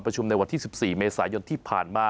ในวันที่๑๔เมษายนที่ผ่านมา